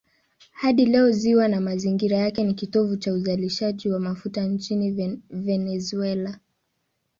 Hadi leo ziwa na mazingira yake ni kitovu cha uzalishaji wa mafuta nchini Venezuela.